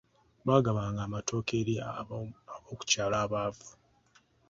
Baagabanga amatooke eri ab’okukyalo abaavu.